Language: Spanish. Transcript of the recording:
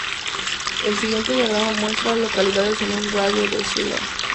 El siguiente diagrama muestra a las localidades en un radio de de Shiloh.